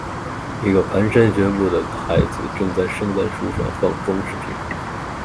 一个蹒跚学步的孩子正在圣诞树上放装饰品